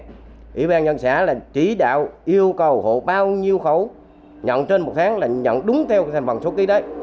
ủy ban nhân xã là chỉ đạo yêu cầu hộ bao nhiêu khẩu nhận trên một tháng là nhận đúng theo thành bằng số ký đấy